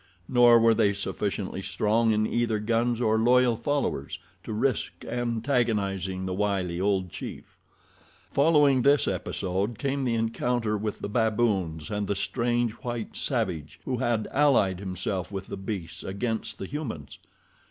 Nor were they sufficiently strong in either guns or loyal followers to risk antagonizing the wily old chief. Following this episode came the encounter with the baboons and the strange, white savage who had allied himself with the beasts against the humans.